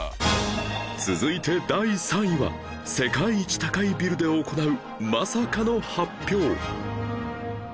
続いては第３位は世界一高いビルで行うまさかの発表